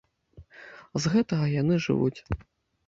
З гэтага яны жывуць.